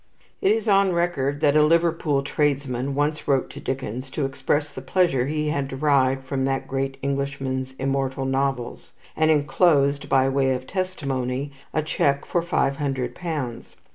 It is on record that a Liverpool tradesman once wrote to Dickens, to express the pleasure he had derived from that great Englishman's immortal novels, and enclosed, by way of testimony, a cheque for five hundred pounds.